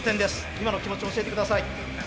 今の気持ち教えて下さい。